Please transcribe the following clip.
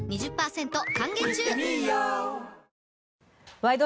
「ワイド！